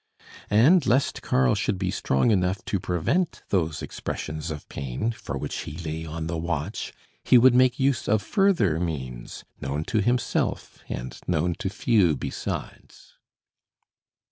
And lest Karl should be strong enough to prevent those expressions of pain for which he lay on the watch, he would make use of further means, known to himself, and known to few besides.